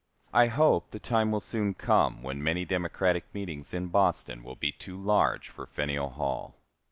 I hope the time will soon come when many Democratic meetings in Boston will be too large for Faneuil Hall.